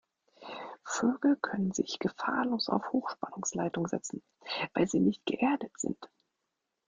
Vögel können sich gefahrlos auf Hochspannungsleitungen setzen, weil sie nicht geerdet sind.